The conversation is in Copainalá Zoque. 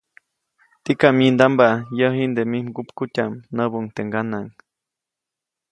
‒Tikam myindamba, yäʼ jiʼnde mij mgupkutyaʼm-, näbuʼuŋ teʼ ŋganaʼŋ.